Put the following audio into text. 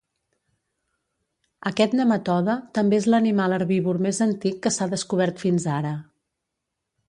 Aquest nematode també és l'animal herbívor més antic que s'ha descobert fins ara.